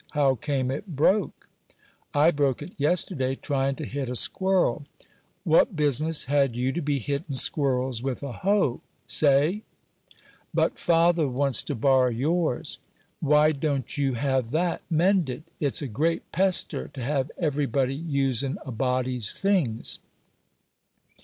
How came it broke?" "I broke it yesterday, trying to hit a squirrel." "What business had you to be hittin' squirrels with a hoe? say!" "But father wants to borrow yours." "Why don't you have that mended? It's a great pester to have every body usin' a body's things."